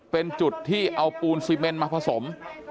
เป็นจุดที่เอาปูนซีเมนมาผสม